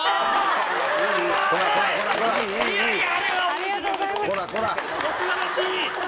ありがとうございます。